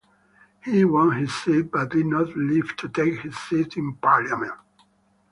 He won his seat but did not live to take his seat in parliament.